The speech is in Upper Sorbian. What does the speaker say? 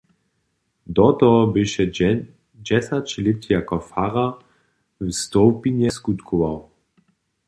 Do toho běše dźesać lět jako farar w Stołpinje skutkował.